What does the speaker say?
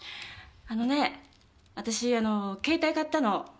あのねぇ私携帯買ったの。